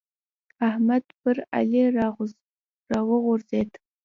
احمد پر علي راغورځېد.